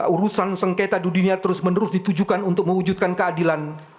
urusan sengketa dunia terus menerus ditujukan untuk mewujudkan keadilan